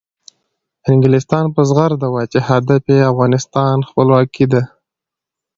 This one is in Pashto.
انګلستان په زغرده وایي چې هدف یې د افغانستان خپلواکي ده.